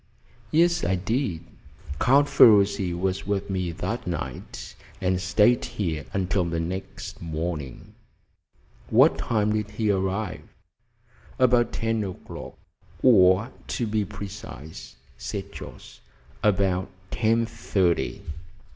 "Yes, I did. Count Ferruci was with me that night, and stayed here until the next morning." "What time did he arrive?" "About ten o'clock, or, to be precise," said Jorce, "about ten thirty."